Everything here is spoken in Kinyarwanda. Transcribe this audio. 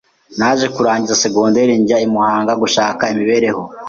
naje kurangiza secondaire njya I muhanga gushaka imibereho